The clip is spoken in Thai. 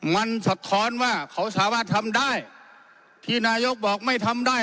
มันสะท้อนว่าเขาสามารถทำได้ที่นายกบอกไม่ทำได้